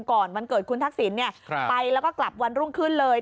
วันเกิดคุณทักษิณไปแล้วก็กลับวันรุ่งขึ้นเลย